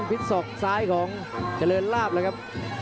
ผิดสอกซ้ายของเจริญราบนะครับ